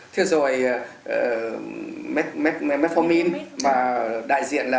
thế rồi metformin mà đại diện